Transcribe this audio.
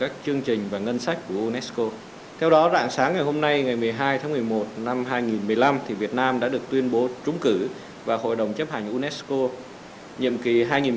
chúng cử hội đồng chấp hành unesco nhiệm kỳ hai nghìn một mươi năm hai nghìn một mươi chín